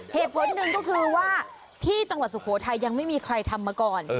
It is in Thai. เหตุผลหนึ่งก็คือว่าที่จังหวัดสุโขทัยยังไม่มีใครทำมาก่อน